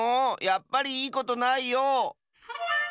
やっぱりいいことないよ！